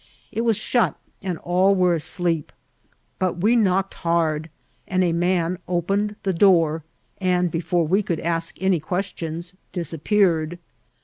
' It was shut, and all were asleep; butweknocked hard, and a man opened the dooTj and, before we could ask any questions, disappeared.